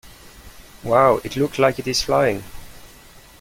Wow! It looks like it is flying!